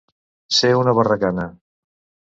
Ser una barragana.